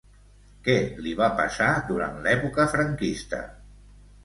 Què li va passar durant l'època franquista?